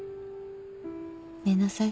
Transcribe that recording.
寝なさい。